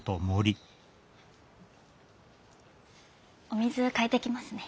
お水換えてきますね。